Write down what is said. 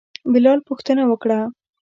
بلال پوښتنه وکړه.